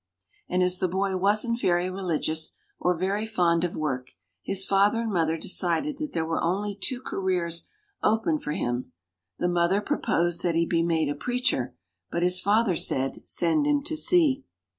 And as the boy wasn't very religious or very fond of work, his father and mother decided that there were only two careers open for him: the mother proposed that he be made a preacher, but his father said, send him to sea.